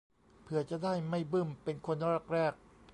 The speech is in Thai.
เผื่อจะได้ไม่บึ้มเป็นคนแรกแรก